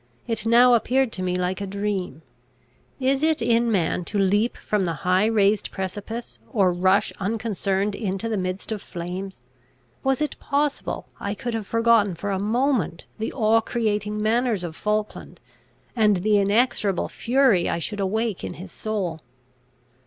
It now appeared to me like a dream. Is it in man to leap from the high raised precipice, or rush unconcerned into the midst of flames? Was it possible I could have forgotten for a moment the awe creating manners of Falkland, and the inexorable fury I should awake in his soul?